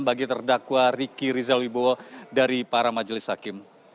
bagi terdakwa riki rizal wibowo dari para majelis hakim